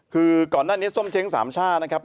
คือก่อนด้านนี้ส้มเจ๊งสามชาตินะครับ